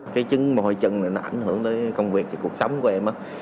cái chân mồ hôi chân này nó ảnh hưởng tới công việc và cuộc sống của em